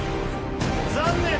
残念！